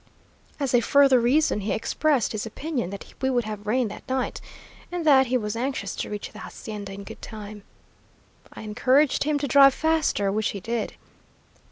As a further reason he expressed his opinion that we would have rain that night, and that he was anxious to reach the hacienda in good time. I encouraged him to drive faster, which he did.